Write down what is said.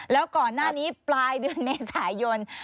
แล้วก่อนหน้านี้ปลายเดือนเมษายน